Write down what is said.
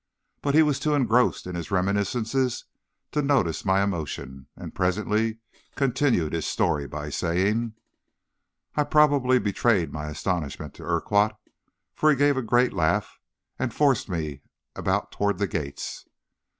But he was too engrossed in his reminiscences to notice my emotion, and presently continued his story by saying: "I probably betrayed my astonishment to Urquhart, for he gave a great laugh, and forced me about toward the gates.